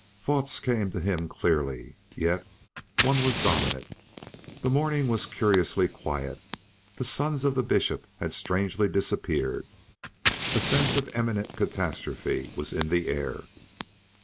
Thoughts came to him clearly, yet one was dominant. The morning was curiously quiet, the sons of the Bishop had strangely disappeared a sense of imminent catastrophe was in the air.